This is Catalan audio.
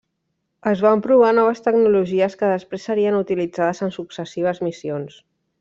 Es van provar noves tecnologies que després serien utilitzades en successives missions.